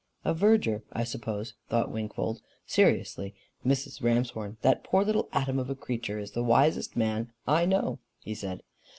"A verger, I suppose," thought Wingfold. "Seriously, Mrs. Ramshorn, that poor little atom of a creature is the wisest man I know," he said.